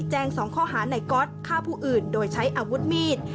แจ้ง๒ข้อหาในก๊อตฆ่าผู้อื่นโดยใช้อาวุธมีด